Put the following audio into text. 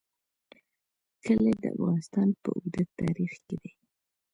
کلي د افغانستان په اوږده تاریخ کې دي.